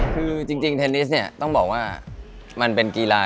คือจริงเทนนิสเนี่ยต้องบอกว่ามันเป็นกีฬา